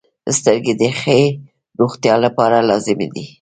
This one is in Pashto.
• سترګې د ښې روغتیا لپاره لازمي دي.